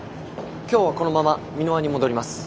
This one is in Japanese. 今日はこのまま美ノ和に戻ります。